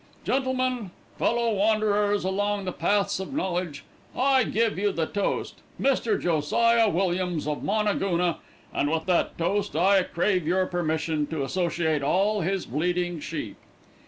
"Gentlemen, fellow wanderers along the paths of knowledge, I give you the toast, Mr. Josiah Williams of Moonagoona, and with that toast I crave your permission to associate all his bleating sheep."